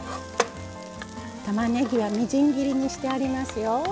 たまねぎはみじん切りにしてありますよ。